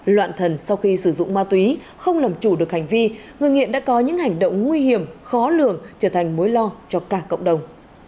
loạn thần sau khi sử dụng ma túy không làm chủ được hành vi người nghiện đã có những hành động nguy hiểm khó lường trở thành mối lo cho cả cộng đồng